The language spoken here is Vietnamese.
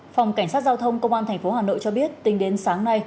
phòng cảnh sát giao thông công an tp hà nội cho biết tính đến sáng nay